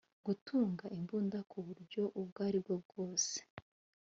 gutunga imbunda ku buryo ubwo ari bwose